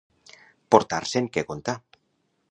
Portar-se'n que contar.